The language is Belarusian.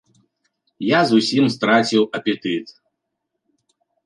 Я зусім страціў апетыт.